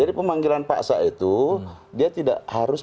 jadi pemanggilan paksa itu dia tidak harus